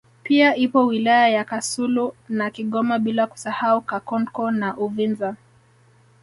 Pia ipo wilaya ya Kasulu na Kigoma bila kusahau Kakonko na Uvinza